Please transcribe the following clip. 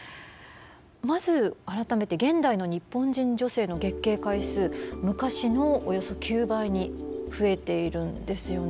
まず改めて現代の日本人女性の月経回数昔のおよそ９倍に増えているんですよね。